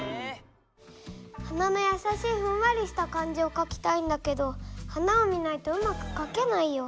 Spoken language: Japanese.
花のやさしいふんわりした感じをかきたいんだけど花を見ないとうまくかけないよ。